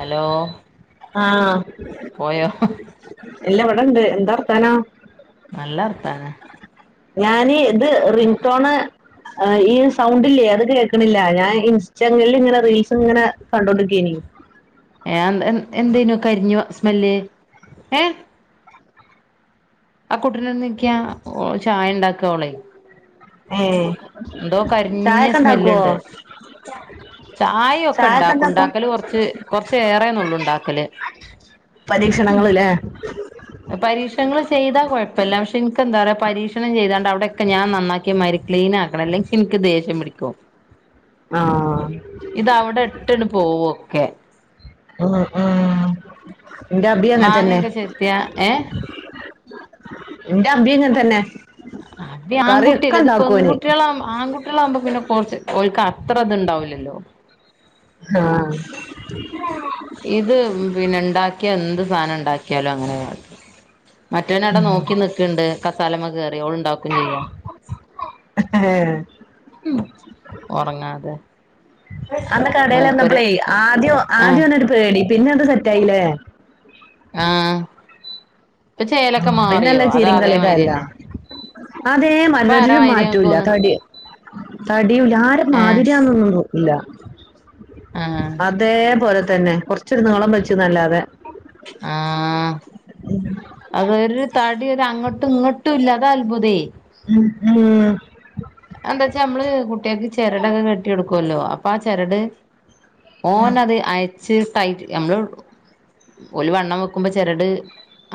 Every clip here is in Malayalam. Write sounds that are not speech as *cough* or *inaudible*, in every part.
ഹലോ ആഹ് പോയോ എല്ല ഇവിടെണ്ട് എന്താ വർത്താനം നല്ല വർത്താനം ഞാന് ഇത് റിംഗ്ടോണ് ഈ സൗണ്ടില്ലേ അത് കേൾക്കണില്ല ഞാൻ ഇൻസ്റ്റാഗ്രാമിൽ ഇങ്ങനെ റീൽസ് ഇങ്ങനെ കണ്ടോണ്ടിക്കാനി ഏഹ് എന്തേനു കരിഞ്ഞു സ്മെല്ല് ഏഹ് ആ കുട്ട്രിനോന്ന് നിക്ക്യാ ഓ ള് ചായണ്ടാക്കോളെയ്. ഏഹ് എന്തോകരിഞ്ഞ ചായൊക്കെ ഇണ്ടാക്കുവോ സ്മെല്ല്ണ്ട്. ചായ ചായൊക്കെ ഒക്കെണ്ടാക്കും ഇണ്ടാക്കോ ണ്ടാക്കല് കൊർച്ച് കൊർച്ചേറെനൊള്ളുണ്ടാക്കല് പരീക്ഷണങ്ങള്ല്ലേ പരീക്ഷണങ്ങള് ചെയ്താ കൊഴപ്പില്ല പക്ഷെ ഇന്ക്കെന്താറിയോ പരീക്ഷണം ചെയ്താണ്ട് അവിടെക്കെ ഞാൻ നന്നാക്കിമാരി ക്ലീൻ ആക്കണം അല്ലെങ്കി എനിക്ക് ദേഷ്യം പിടിക്കു ആഹ് ഇത് അവിടെ ഇട്ടണ്ട് പോവും ഒക്കെ ആഹ് ആഹ് മാങ്ങേക്കെ ചെത്തിയാ ഏഹ് ഇന്റ അബി അങ്ങൻ തന്നെ അ കറിയൊക്കെ ആൺകുട്ടില്ല ഇത് ഇണ്ടാക്കോന് പെൺകുട്ടികളാുമ ആൺകുട്ടികളാവകുമ്പോ പിന്നെ കൊറച്ച് ഒക്ക് അത്ര ഇത്ണ്ടാവില്ലല്ലോ. ഇത് പിന്നെ ഉണ്ടാക്കിയ എന്ത് സാധന. ഉണ്ടാക്കിയാലും അങ്ങനെ മറ്റവന അവിട നോക്കി നക്കണ്ട് സ്ഥലമൊക്കെ കേയറി അവഓള്ണ്ടാക്കും ചെയ്യാം ഹഹ ഉറങ്ങാതെ അന്റെ കടൽ മൂപ്പര് വന്നപ്പളേ ആദ്യം ആഹ് ആദ്യംന്ന ഒരു പേടി പിന്നെ എത് സെറ്റ ആായില്ലേ ആഹ പിന്നല്ല ചിരികളടല്ല തന്നെ അതെ ഇപ്പൊ ആരാ മരരുും മാതിരി നിങ്ങക്ക് മാറ്റൂല്ല തോന്നുന്നു തടി തടിയൂല്ല ആരെ ഏഹ് മാതിരിന്നൊന്നും ഇല്ല ആഹ് അതെ പോറ തന്നെ കൊറച്ചൊരു നീളം വെിച്ച നല്ലാതെ ആഹ ഉ വരു താടി ഒരു അങ്ങോട്ടും ഇങ്ങോട്ടും ഇല്ലാതാ അത്ഭുതേ ഉം ഉം എന്താ വച്ചാ നമ്മള് കുട്ടികൾക്ക് ചിരടൊക്കെ കെട്ടിെടുക്കും ക്കല്ലോ അപ്പാ ചരട് ഓന്നത് ആ ചട്ടൈ നമ്മള് ഒരു വണ്ണം വെക്കുമ്പോ ചെരട്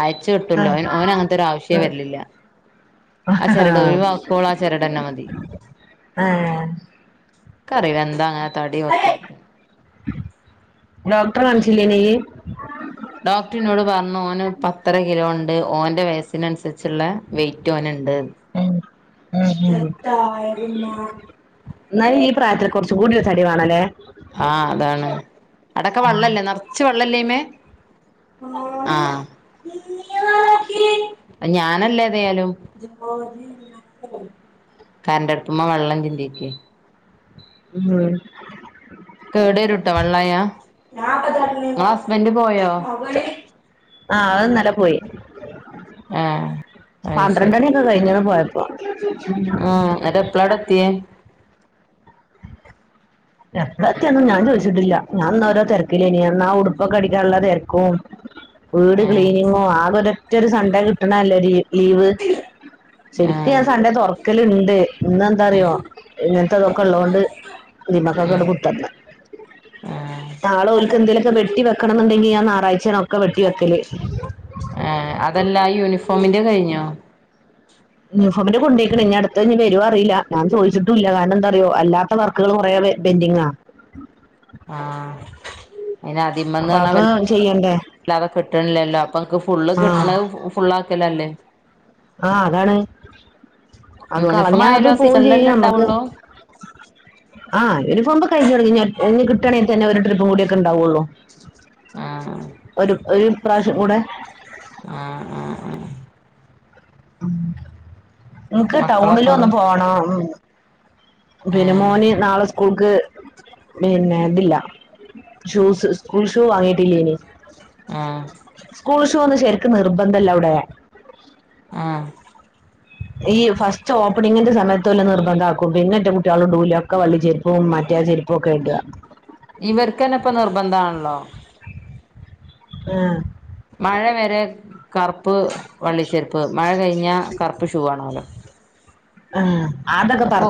അയച്ചു ആ കിട്ടല്ലോന് അവഓനങ്ങനത്തെൊ ഒരു ആവശ്യേ വരിലില്ല ആ ചിരട് ഒഴിവാക്കുവള ആ ചിരട് തന്നെ മതി ആ കറി വന്താ അങ്ങനെ താടി ഡോക്ടർ അനസിലേനി ഡോക്ടറിനോട് പറഞ്ഞു ഓന് പത്തര കിലോ ഉണ്ട് ഓന്റെ വയസിനനുസരിച്ചുള്ള വെയിറ്റ് ഓന ഉണ്ട് ഉം ഉം ഉം ജട്ടായിരുന്നു എന്നാലും ഈ പ്രായത്തിൽ കുറച്ച് കൂടിയ ചടിവാണല്ലേ ആഹ് അതാണ് അടക്കെ വെള്ളല്ലേ നിറച്ച് വെള്ളല്ലേ ഇ്മേ ആഹ ഞാനല്ലേ തായാലും കരന്റെടുത്തമ്മ വെള്ളം ചിന്തിച്ചേ ഉം കേട് വരുൂട്ടോ വെള്ളായ നിങ്ങള ഹസ്ബന്ഡ പോയോ ആഹ അത്ന്നല്ല പോയി ആഹ് അത് പന്ത്രണ്ട് മണിയൊക്കെ കഴിഞ്ഞന്ന് പോയ ആ ആ എന്നറ്റ എപ്പളാട എത്തിയേ എപ്പഴത്തിയൊന്നും ഞാൻ ചോദിച്ചിട്ടില്ല ഞാൻന്ന രോ തിരക്കില്ലേന എന്ന ആ ഉടുപ്പൊക്കെ അടിക്കാനുള്ള തിരക്കും വീട് ആഹ് ക്ലീനിങ്ങ ആകൊരു എനിക്കി ഒരു സൺ‌ഡേ കിട്ടുന്നതല്ലെടെ ലീവ് ശരിക്കും ആഹ് ഞാൻ സണ്ടേ തുൊറക്കല ഇണ്ട് ഇന്ന് എന്താ അറിയോ ഉം ഇങ്ങനത്തെ ഇതൊക്കെ ഉള്ളതത് കൊണ്ട് ഉം അയ്മക്കങ്ങട് പുട്ത്തല്ല ആഹ് നാളെ ഓൽക്ക് എന്തെലൊക്കെ വെട്ടിവെക്കണം ന്ന് ണ്ടാ ങ്കി ഞാൻ ഞായറാഴ്ച്ച ആ അതല്ല യൂണിഫോമിന്റെ കയിഞ്ഞോ ആ യൂണിഫോമിൻ്റെ കൊണ്ടെയ്ക്ക്ണ് ഞ് അട്ത്തെ ഞ് വെരോ അറീല ഞാൻ ചോയിച്ചിട്ടൂല്ല കാരണ ന്താറിയോ അല്ലാത്ത വർക്കുകൾ കുറെ ബെ ബെൻഡിങ്ങാ ആ അയ്ന് അപ്പൊ അതിമ്മന്നർഞ്ഞാ അത് ചെയ്യണ്ടേ വല്ലാതെ കിട്ടണില്ലല്ലോ അപ്പൊ ഇങ്ങക്ക് ഫുള്ള് ആ കിട്ടണെ ഫുള്ളാക്കല്ലേ നല്ലേ ആ അതാണ് ആ യൂണിഫോം കളഞ്ഞ അത് ആയാലും ആ പോവും സീസണിലല്ലേ ചെയ്യും അമ്മക്ക് ഇണ്ടാവുള്ളൂ ആ യൂണിഫോമിൻ്റെ കഴിഞ്ഞൊട്ങ്ങി ഇഞ്ഞ് അട്ത്തെ ഇഞ് കിട്ടാണെ തന്നെ ഒര് ട്രിപ്പും കൂടെക്കെണ്ടാ വൊള്ളൂ ആഹ് ഒരു ഒരു പ്രാവശ്യം കൂടെ ആ ആ ആ ഉം നിക്ക് മക്കളൊക്കെ ടൗണിലൊന്ന് എവിടെ പോണം ഉം ബിനു ഏഹ് മോന് നാളെ സ്കൂൾക്ക് പിന്നെ ഇതില്ല ഷൂസ് സ്കൂൾ ഷൂ വാങ്ങിട്ടില്ലേനി ആ കൂൾ ഷൂ ന്നും ശെരിക്ക് നിർബന്ധല്ലവ്ടെ ആ ഈ ഫസ്റ്റ് ഓപ്പണിങ്ങിന്റെ സമയത്തൊല് നിർബന്ധമാക്കും പിന്നെ റ്റെ കുട്ട്യളി ടൂല ഒക്കെ വള്ളി ചെര്പ്പും മറ്റേ ചെര്‌പ്പൊക്കെ ടാ ഇവർക്കന്നെ ഇപ്പ നിർബന്ധാണല്ലോ ഉം മഴ വരെ കറ്പ്പ് വള്ളി ചെര്പ്പ് മഴ കഴിഞ്ഞാ കറ്പ്പ് ഷൂ വാണോല്ലോ ആ അപ്പൊ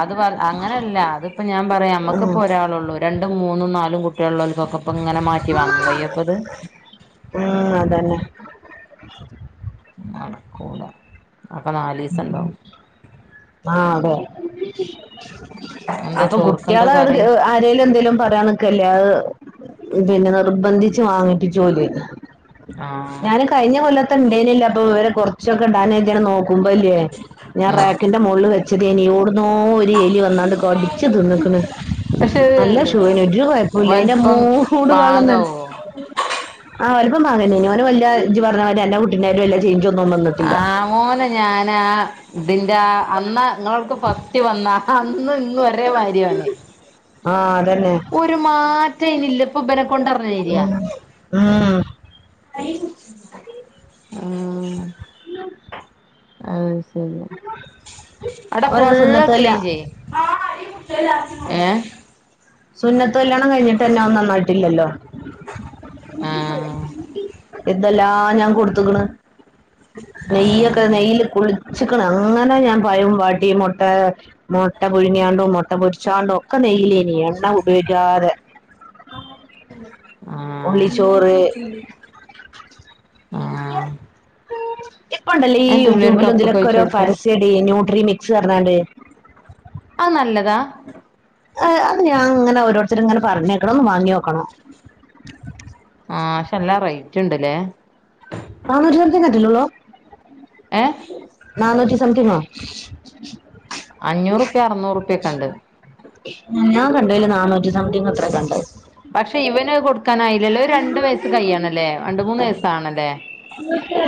അത് വ അങ്ങനല്ല അതിപ്പോ ഞാൻ പറയാ ഉം. നമ്മക്കിപ്പോ ഒരാളൊള്ളൂ രണ്ടും മൂന്നും നാലും കു അതേപോലെ പക്കപ്പങ്ങനെ മാറ്റി വാങ്ങാൻ കയ്യോ പ്പോത് അ നട്ക്കൂല്ല ഉം ആ അതെ ഉ എന്താ അപ്പൊ ചോർക്കെന്താ കുട്ട്യാളെ കറി ആരേലും എന്തേലും പറയാനിക്കല്ലേ അഅ് പിന്നെ നിർബന്ധിച്ച് വാങ്ങിപിച്ചോല് ആഹ് ഞാന് കഴിഞ്ഞ കൊല്ലത്ത ണ്ടേനിയല്ലോ അപ്പൊ *unintelligible* കൊർച്ചൊക്കെ ഇടാന *unintelligible* ണ് നോ മ്പല്ല്യേ ഞാൻ ഉം റാക്കിന്റെ മൊളില് വെ ച്ചതിനിയോട് നോ ഒരു എലി വന്നാണ്ട് കടിച്ച് തിന്നിക്കണ് പക്ഷെ നല്ല ഷൂന ഒരു കുഴപ്പില്ല അന്റെ വലുപ്പം മൂട് ഭാഗം പാകാവോ ആ വല്പ്പം ഭാഗന്ന ഓന് വല്ല ഞ്ച് പറഞ്ഞവര് എന്റെ കുട്ടീന്റെട്ടും വല്ല ചെയ ആ മോനെ ഞാൻ പിന്ന ആ അതിൻ്റെ അന്ന് നിങ്ങൾക്ക് ഫസ്റ്റ് വന്ന അന്ന് ഇന്നും ഒരേ രേ ഭാര്യയാണ് ആഹ് അതന്നെ ഒരു മാറ്റം ഇല്ലില്ല മൂപ്പര് ഉ ആഹ് ആഹ് ആഹ് ശരി അവിടെ ഓനാ ഫുള്ള് സുന്നത്ത് കല്യാ ക്ലീൻ ചെയ്യ ഏഹ് സുന്നത്ത് കല്യാണം കഴിഞ്ഞിട്ടന്നെ ഓൻ നന്നായിട്ടില്ലല്ലോ ആഹ് എന്തെല്ലാം ഞാൻ കൊടുത്ത്ക്ക്ണ് നെയ്യൊക്കെ ആഹ് നെയ്ൽ കുളി ചിക്കണ് അങ്ങനെ ഞാൻ പയവും വാട്ടി മുട്ട മുട്ട പുഴുങ്ങിയാണ്ടും മുട്ട പൊരിച്ചാണ്ടും ക്കെ നെയലേനി ഞാന് ഉള്ളിച്ചോറ് ആഹ് ഇപ്പൊണ്ടല്ലേ ഈ അയിന് തുള്ളി ഒരു യൂട്യൂബില് കപ്പ്ക്ക് ഇതിലൊക്കെ ഒഴിച്ച് ഓരോ കൊടുത്തോ പരസ്യടി ന്യൂട്ര മിക്സ് വാണ്ടേ ആഹ് നല്ലതാ ഏർ അത് ഞാ ഇങ്ങനെ ഓരോരുത്തർ ഇങ്ങനെ പറഞ്ഞേക്കണംന്ന് വാങ്ങ്യൊക്കണം ആഹ് ക്ഷെ ല്ലാം റൈ ഇണ്ട് ലേ നാനൂറ്റി സംപ്ത്തിംഗ്ല്ലെ ഒള്ളു ഏഹ് സംതിങ്ങോ അഞ്ഞൂറ് റുപ്യ അറ്ന്നൂർ റുപ്യൊക്കെ ഇണ്ട് ഞാൻ കണ്ടെയിൽ നാനൂറ്റി സംതിങ്ങ് എത്രെ കണ്ടെയ് പക്ഷെ ഇവന് കൊടു രണ്ട് മൂന്ന് വയസ്സാണല്ലേ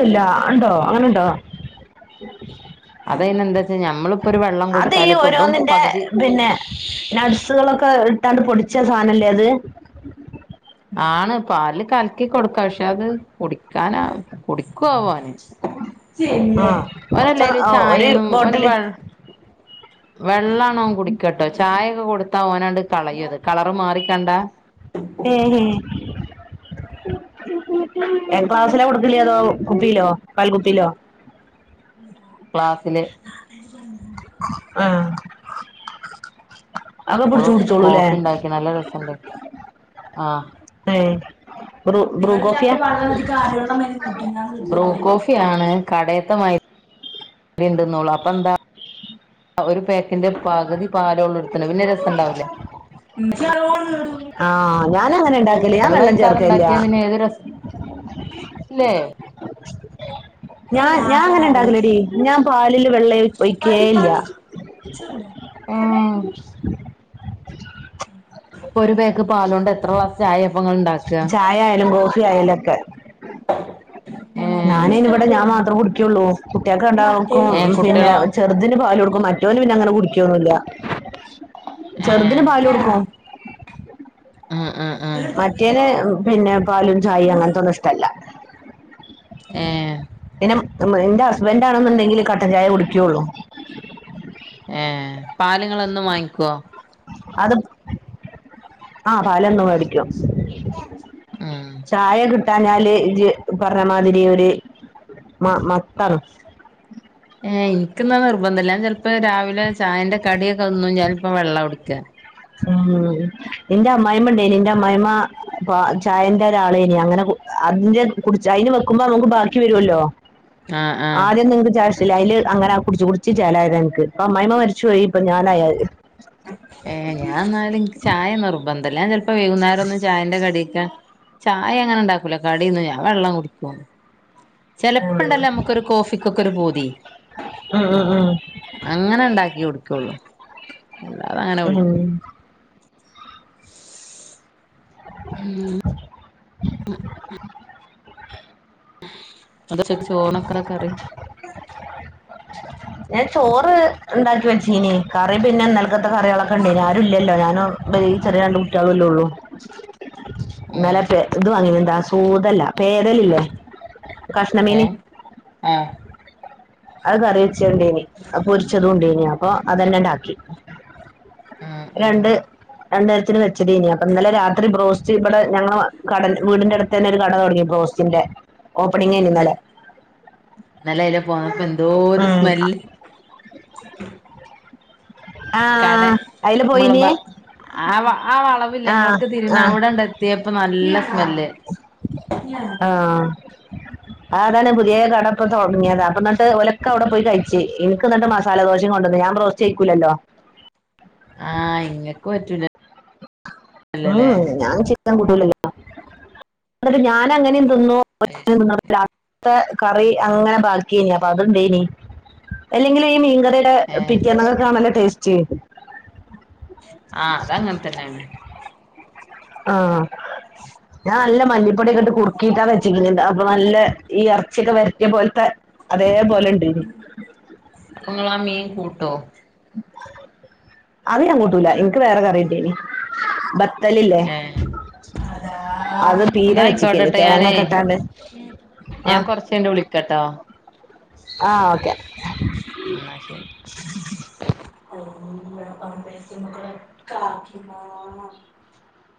ഇല്ല ഉണ്ടോ അങ്ങനെയുണ്ടോ അതയിന് എന്താ വച്ചാ ഞമ്മളിപ്പോ ഒരു വെള്ളം അത് ഈ കൊടുത്താല് ഇപ്പ ഇപ്പം ഓരോന്നിന്റെ പകുതി പിന്നെ നട്സുകളൊക്കെ ഇട്ടാണ്ട് പൊടിച്ച് വിച്ച സാനല്ലേ അത് ആണ് പാലിൽ കലക്കി കൊടുക്ക പക്ഷെ അത് കുടിക്കാന് കുടിക്കുവോന് ആഹ് ഓല് കുറച്ച് ഒരു ചായൊന്നും ഓന് ബോട്ടില് വെള്ളം വെള്ളം കുടിക്കട്ടോ ചായ കൊടുത്താ ഓനാണ്ട് കളയത് കളറ് മാറിക്കണ്ടാ ക്ലാസ്സിലാ കൊടുക്കല് അതോ കുപ്പിയിലോ പാൽ കുപ്പിയിലോ ക്ലാസ്സില് ആഹ് അതൊക്കെ പിടിച്ചു ഓള് കുടിച്ചോളൂല്ലേ കോഫി ഉണ്ടാക്കി നല്ല രസമുണ്ടെനു ആഹ് ഏഹ് ബ്രൂ ബ്രൂ കോഫിയാ ബ്രുകോഫിയാണ് കടയത്തെ മായിരി ഉണ്ട്ന്ന് ഓള് അപ്പ എന്താ ഒരു പാക്കിന്റെ പകുതി പാലോള് എടുത്തണ് പിന്നെ രസമുണ്ടാവില്ലേ ഞാൻ അങ്ങനെ ഉണ്ടാക്കല് ഞാൻ വെള്ളം ചേർക്കലില്ല ല്ലെ ഞാൻ ഞാൻ അങ്ങനെ ഉണ്ടാക്കലെടി ഞാൻ പാലില് വെള്ളം ഒയ്ക്കെ ഇല്ല ഏഹ് ഇപ്പൊ ഒരു പേക്ക് പാലോണ്ട് എത്ര ക്ലാസ്സ് ചായയ അപ്പം ഇങ്ങൾ ഇണ്ടക ചായ ആയാലും ആയാലും ഒക്കെ മറ്റേത് ഞാന് അയിന് ഇവിടെ ഞാൻ ഇഷ്ടപ്പെട്ട്ക്ക്ണ് മാത്രം കുടിക്കുള്ളൂ കുട്ടിയൊക്കെ രണ്ടാൾക്കും മറ്റേത് എനിക്ക് പിന്നെ ഇഷ്ടാണ് ചെറുതിന് പാല് കൊടുക്കും മറ്റവന് പിന്നെ അങ്ങനെ കുടി ക്കുവൊന്നൂല്ല ചെറുതിന് പാല് കൊടുക്കും ആഹ് ആഹ് ആഹ് മറ്റേന് പിന്നെ പാലും ചായ അങ്ങനത്തൊന്നും ഇഷ്ടല്ല ഏ മ്ന്റെ ഹസ്ബൻറ് ആണെന്നുണ്ടെങ്കില് കട്ടൻചായ കുടിക്കൂള്ളു ഏ പാല്ങ്ങളെന്നും വാങ്ങിക്കുവോ അത് ആ പാലെന്നും മേടിക്കും. ഉം ചായ ഇട്ടഞ്ഞാല് ഇജ് പറഞ്ഞമാതിരി ഒരു മ മത്തറ് നിക്കന്നാ നിർബന്തില്ല ഞാ ചേ പ്പം രാവിലെ ചായന്റെ കടിയൊക്കെ ഒന്നു ഞാനിപ്പ വെള്ളം കുടിക്ക ഉ ന്റെ അമ്മായിമ്മ ഉണ്ടേനി ന്റെ അമ്മായിമ്മ ചായന്റെ ഒരാളേനി അങ്ങനെ അതിന്റെ കു അതിന് വെക്കുമ്പോ നമുക്ക് ബാക്കി വരുവല്ലോ ആഹ് ആഹ് ആദ്യം നിങ്ങക്ക് ച ചില അല് അങ്ങനെ കുടിച്ച് കുടിച്ച് ചേലായതനിക്ക് ഇപ്പ അമ്മായിമ്മ മരിച്ചു പോയി പ്പാ ഞാനായി അ എ ഏ യാനല്എന്ക്ക് ചായ നിർ ബന്തല്ല പ്പൊ വൈകുനേരം ഒന്നും ചായെന്റെ കടില്ല. ചായ അങ്ങനെ ഉണ്ടാക്കൂല്ല കടിയൊന്നും ഞാൻ വെള്ളം *unintelligible* ഉം ചെലപ്പ്ണ്ടല്ലോ നമ്ക്കൊരു കോഫിക്കൊക്കെ ഒരു പൂതി ഉം ഉം അങ്ങനെ ഉണ്ടാക്കി കുടിക്കുള്ളു. അല്ലാതെ അങ്ങനെ ഉം വിളിക്കു *unintelligible* ഞാൻ ചോറ് ഉണ്ടാക്കി വെച്ച്നി കറി പിന്നെ ഇന്നല്കത്ത കറികളൊക്കെ ഉണ്ടെനി ആരു ഇല്ലല്ലോ ഞാനും ഈ ചെറിയ രണ്ട് കുട്ടികലുല്ലേഉള്ളു ഉം പൂതല്ല പേരെലല്ലേ കഷ്ണമീനി ആ അതുകറി *unintelligible* അപ്പൊ *unintelligible* ഓ അതന്നെ അണ്ടാക്കി ആഹ് ആഹ് രണ്ട് രണ്ടു നേരത്തിന് വെച്ചടീന അപ്പൊ ഇന്നലെ രാത്രി ബ്രോസ്റ്റ് ഇവിടെ ഞങ്ങ കടണ്ട് വീടിന്റെ അടുത്തന്നെ ഒരു കട തുടങ്ങി ബ്രോസ്റ്റ്ന്റെ ഓപ്പണിങ്ങണ് ഇന്നലെ പോപ്പൊ എന്തോരു ഉം സ്മെല് *unintelligible* ആ കട അയില് മുളമ്പ പോയിനി ആ ആ വള ആ വില്ലങ്ങളോക്ക് തിരുന്ന് ആ അവിടെണ്ട എത്തിയപ്പൊ നല്ല സ്മെല് ആതാണ് പുതിയ കടപ്പ തുടങ്ങിയത അപ്പ എന്നിട്ട് ഒലക്ക അവിടെ പോയി കഴിച്ച് എനിക്ക് എന്നിട്ട് മസാല ദോശം കൊണ്ടന്നന്ന് ഞാൻ റോസ്റ്റ് ചെയയിക്കൂലല്ലോ ആഹ് ഇങ്ങക്ക് പറ്റൂല ഉം ഞാൻ ചി കളിക്കാൻ ഇല്ലല്ലോ എന്നിട്ട് ഞാൻ അങ്ങനെ. തിന്നു അയ് ഒറ്റയ്ക്ക് നിന്ന് ശരി തിന്നു. അങ്ങനത്തെ കറി അങ്ങനെ ബാക്കിയായി അപ്പ ഉണ്ടേയനീ അല്ലെങ്കിലും ഈ മീൻ കറി. *unintelligible* ഏഹ് പിറ്റേന്ന് ഒക്കെ കാണല് ടേസ്റ്റ്. ചേരും ആഹ് അത് അങ്ങനെ തന്നെയാണ്. ഉം ഞാൻ നല്ല മല്ലിപ്പൊടിയൊക്കെ ഇട്ട് കുറുക്കിയിട്ടാ വെച്ചിക്കുന്നതേണ്ട്, അപ്പൊ നല്ല ഈ ഇറച്ചിയൊക്കെ വരറ്റിയ പോലത്തെ. അതേപോലെ ഉണ്ടേനി അപ്പൊ നിങ്ങള് ആ മീൻ കൂട്ടുമോ. അത് ഞാൻ കൂട്ടൂല. നിക്ക് വേറെ കറി കിട്ടിയാനി *unintelligible* ഏഹ് അത് പീര എന്നാ ആയിക്കോട്ടെ വെച്ചിക്കേനി തേങ്ങ ഞാന് ഒക്കെ ഇട്ടാണ്ട് ഞാൻ കൊറച്ചു കഴിഞ്ഞു വിളിക്കട്ടോ. ആഹ് ഓക്കേ ന്നാ ശരി *inaudible*